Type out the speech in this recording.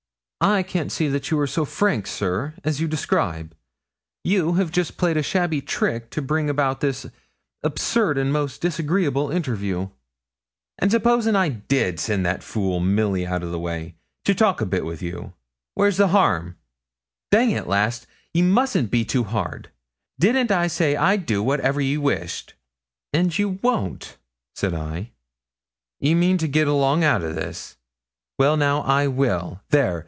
'I can't see that you are so frank, sir, as you describe; you have just played a shabby trick to bring about this absurd and most disagreeable interview.' 'And supposin' I did send that fool, Milly, out o' the way, to talk a bit wi' you here, where's the harm? Dang it, lass, ye mustn't be too hard. Didn't I say I'd do whatever ye wished?' 'And you won't,' said I. 'Ye mean to get along out o' this? Well, now, I will. There!